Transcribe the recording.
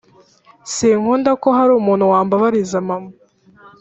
sinkunda ko hari umuntu wambabariza mama